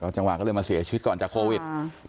จังหวะก็เลยมาเสียชีวิตก่อนจากโควิด